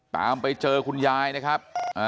ตามไปเจอคุณยายนะครับ